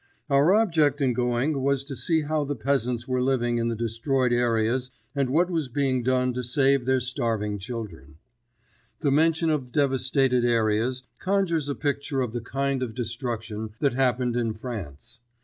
Our object in going was to see how the peasants were living in the destroyed areas and what was being done to save their starving children. The mention of devastated areas conjures a picture of the kind of destruction that happened in France.